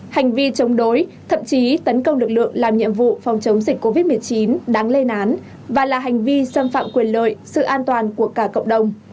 hành vi chống đối thậm chí tấn công lực lượng làm nhiệm vụ phòng chống dịch covid một mươi chín đáng lên án và là hành vi xâm phạm quyền lợi sự an toàn của cả cộng đồng